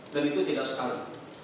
dan itu tidak sekali